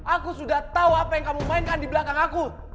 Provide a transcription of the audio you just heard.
aku sudah tahu apa yang kamu mainkan di belakang aku